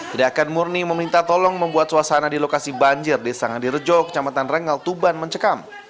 kedekan murni meminta tolong membuat suasana di lokasi banjir di sangadirejo kecamatan rengal tuban mencekam